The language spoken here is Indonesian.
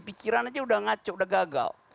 pikiran aja udah ngaco udah gagal